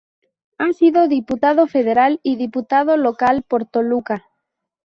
Ha sido Diputado Federal y Diputado Local por Toluca.